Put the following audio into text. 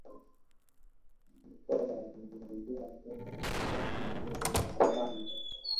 Jacob alisogea kwenye sehemu hiyo ya ramani